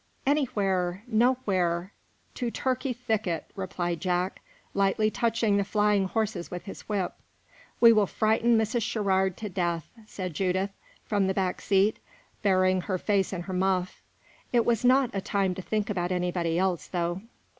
"Anywhere nowhere to Turkey Thicket!" replied Jack, lightly touching the flying horses with his whip. "We will frighten Mrs. Sherrard to death!" said Judith, from the back seat, burying her face in her muff. It was not a time to think about anybody else, though.